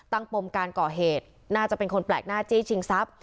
ปมการก่อเหตุน่าจะเป็นคนแปลกหน้าจี้ชิงทรัพย